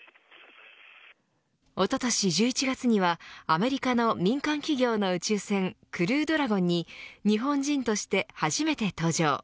おととし、１１月にはアメリカの民間企業の宇宙船クルードラゴンに、日本人として初めて搭乗。